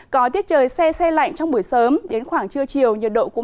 có tiết trời xe xe lạnh trong buổi sớm đến khoảng trưa chiều